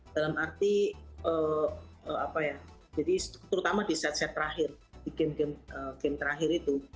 dalam arti apa ya jadi terutama di set set terakhir di game game terakhir itu